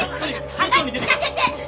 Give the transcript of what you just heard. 話聞かせて！